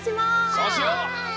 そうしよう！